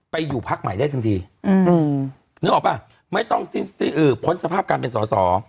อยู่พักใหม่ได้ทันทีนึกออกป่ะไม่ต้องพ้นสภาพการเป็นสอสอ